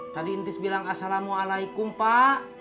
tadi intis bilang assalamualaikum pak